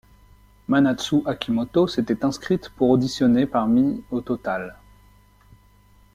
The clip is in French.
Manatsu Akimoto s'était inscrite pour auditionner parmi au total.